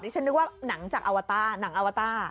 นี่ฉันนึกว่าหนังจากอวาตาร์